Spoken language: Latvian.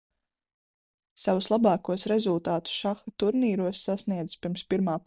Savus labākos rezultātus šaha turnīros sasniedzis pirms Pirmā pasaules kara.